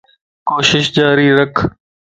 ڪوشش جاري رک